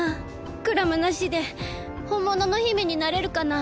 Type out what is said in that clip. クラムなしでほんものの姫になれるかな？